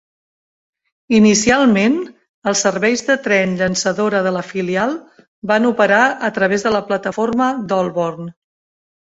Inicialment, els serveis de tren llançadora de la filial van operar a través de la plataforma d"Holborn.